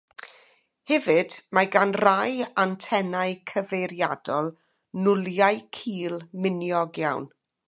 Hefyd, mae gan rai antenau cyfeiriadol nwliau cul, miniog iawn.